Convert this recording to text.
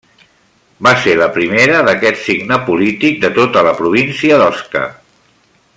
Va ser la primera d'aquest signe polític de tota la província d'Osca.